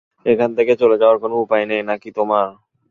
এখান থেকে চলে যাওয়ার কোন ইচ্ছে নেই নাকি তোমার?